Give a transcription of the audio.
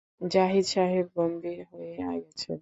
জাহিদ সাহেব গম্ভীর হয়ে গেলেন।